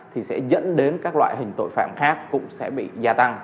thì sẽ dẫn đến các loại hình tội phạm khác cũng sẽ bị gia tăng